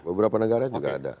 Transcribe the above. beberapa negara juga ada